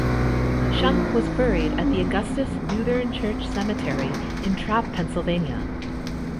Shunk was buried at Augustus Lutheran Church Cemetery in Trappe, Pennsylvania.